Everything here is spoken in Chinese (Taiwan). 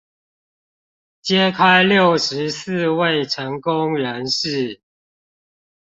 揭開六十四位成功人士